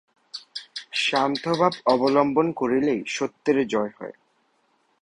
শান্তভাব অবলম্বন করিলেই সত্যের জয় হয়।